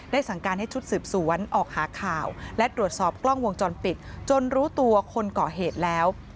สั่งการให้ชุดสืบสวนออกหาข่าวและตรวจสอบกล้องวงจรปิดจนรู้ตัวคนก่อเหตุแล้ว